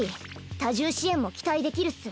多重支援も期待できるっス。